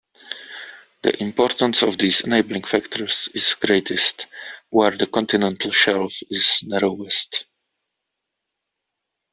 The importance of these enabling factors is greatest where the continental shelf is narrowest.